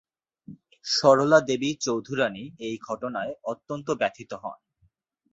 সরলা দেবী চৌধুরানী এই ঘটনায় অত্যন্ত ব্যথিত হন।